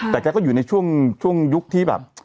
แต่แกก็อยู่ในช่วงยุคที่แบบ